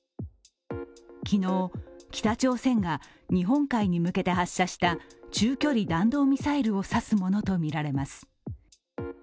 昨日、北朝鮮が日本海に向けて発射した中距離弾道ミサイルを指すものとみられます。